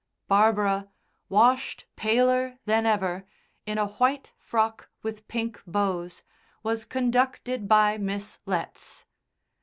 Barbara, washed paler than ever, in a white frock with pink bows, was conducted by Miss Letts.